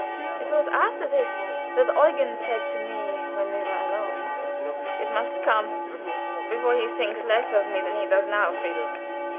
It was after this that Eugen said to me when we were alone: "It must come before he thinks less of me than he does now, Friedel."